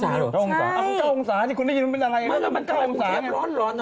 เข้าองศาหรอใช่คุณได้ยินว่าเป็นอะไรมันเก้าองศาไง